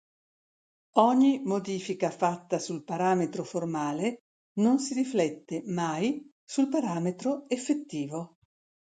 Ogni modifica fatta sul parametro formale non si riflette mai sul parametro effettivo.